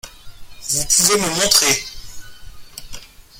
Vous pouvez me montrer ?